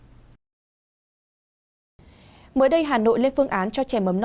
hãy đăng ký kênh để ủng hộ kênh của chúng mình nhé